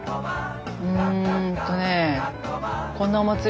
うんとねえ。